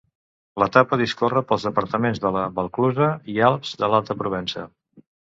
L'etapa discorre pels departaments de la Valclusa i Alps de l'Alta Provença.